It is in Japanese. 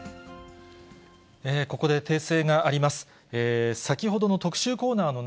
ここで訂正があります。